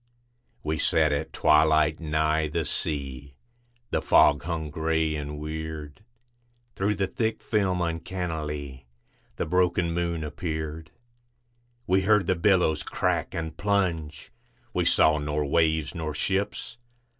We sat at twilight nigh the sea, The fog hung gray and weird. Through the thick film uncannily The broken moon appeared. We heard the billows crack and plunge, We saw nor waves nor ships.